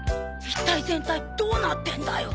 一体全体どうなってんだよ。